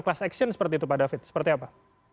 kelas aksion seperti itu pak david seperti apa